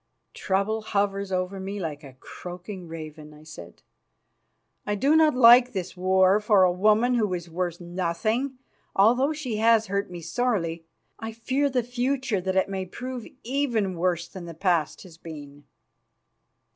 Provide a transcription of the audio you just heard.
"Trouble hovers over me like a croaking raven," I said. "I do not like this war for a woman who is worth nothing, although she has hurt me sorely. I fear the future, that it may prove even worse than the past has been."